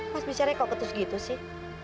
mas bicara kok terus gitu sih